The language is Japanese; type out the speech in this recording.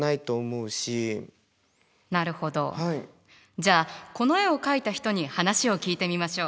じゃあこの絵を描いた人に話を聞いてみましょう。